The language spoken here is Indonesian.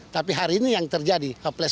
tapi hari ini yang terjadi haples empat